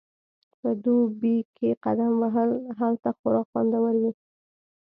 په دوبي کې قدم وهل هلته خورا خوندور وي